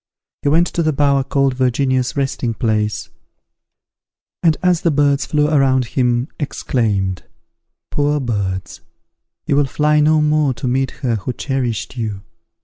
He went to the bower called Virginia's Resting place, and, as the birds flew around him, exclaimed, "Poor birds! you will fly no more to meet her who cherished you!"